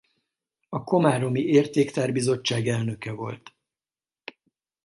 A komáromi Értéktár Bizottság elnöke volt.